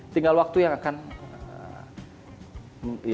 tinggal waktu yang akan